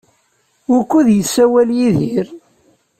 Wukud yessawal Yidir?